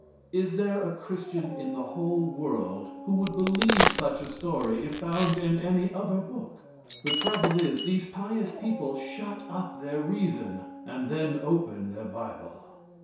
Is there a Christian in the whole world who would believe such a story if found in any other book? The trouble is, these pious people shut up their reason, and then open their bible.